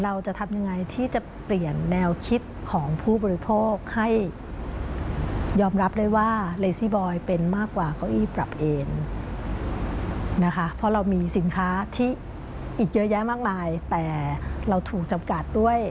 เราจะทำยังไงที่จะเปลี่ยนแนวคิดของผู้บริโภคให้ยอมรับได้ว่าเลซี่บอยเป็นมากกว่าเก้าอี้ปรับเอนนะคะเพราะเรามีสินค้าที่อีกเยอะแยะมากมายแต่เราถูกจำกัดด้วย